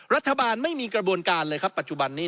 รัฐบาลไม่มีกระบวนการเลยครับปัจจุบันนี้